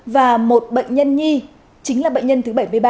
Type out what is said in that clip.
và một bệnh nhân nhi chính là bệnh nhân thứ bảy mươi ba